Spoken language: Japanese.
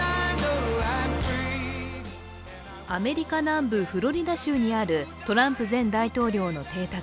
アメリカ南部フロリダ州にあるトランプ前大統領の邸宅